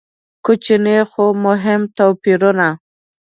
کوچني خو مهم توپیرونه.